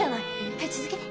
はい続けて。